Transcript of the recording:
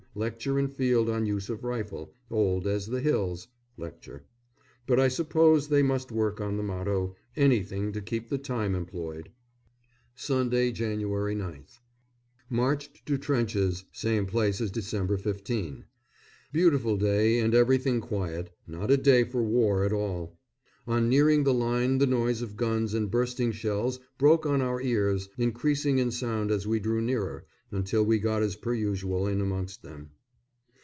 lecture in field on use of rifle old as the hills (lecture); but I suppose they must work on the motto, "Anything to keep the time employed." Sunday, Jan. 9th. Marched to trenches (same place as Dec. 15). Beautiful day and everything quiet not a day for war at all. On nearing the line the noise of guns and bursting shells broke on our ears, increasing in sound as we drew nearer, until we got as per usual in amongst them.